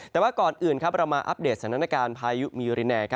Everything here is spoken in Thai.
แต่ว่าก่อนอื่นเรามาอัปเดตสถานการณ์พายุมิริแน